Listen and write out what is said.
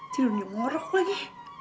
tidurnya morok lagi